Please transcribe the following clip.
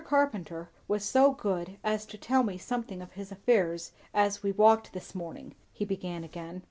Carpenter was so good as to tell me something of his affairs as we walked this morning," he began again.